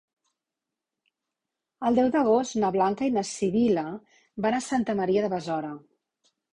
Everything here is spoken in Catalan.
El deu d'agost na Blanca i na Sibil·la van a Santa Maria de Besora.